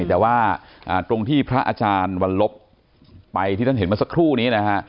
แต่ว่าตรงที่พระอาจารย์วันลบไปที่ท่านเห็นเมื่อสักครู่นี้นะฮะ